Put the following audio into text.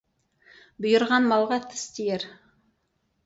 Бұйырған малға тіс тиер.